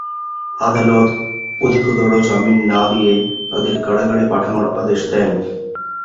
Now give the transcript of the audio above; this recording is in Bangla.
আদালত অধিকতর জামিন না দিয়ে তাদের কারাগারে পাঠানোর আদেশ দেন।